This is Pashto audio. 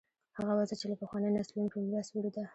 هغه وضع چې له پخوانیو نسلونو په میراث وړې ده.